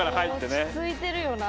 落ち着いてるよな。